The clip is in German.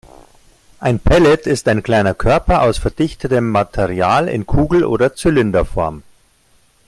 Ein Pellet ist ein kleiner Körper aus verdichtetem Material in Kugel- oder Zylinderform.